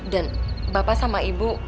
dan bapak sama ibu